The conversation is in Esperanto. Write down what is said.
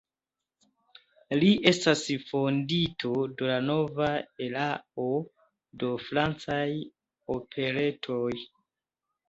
Li estas fondinto de la nova erao de francaj operetoj.